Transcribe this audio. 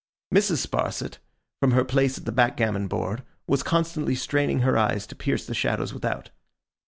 Mrs. Sparsit, from her place at the backgammon board, was constantly straining her eyes to pierce the shadows without.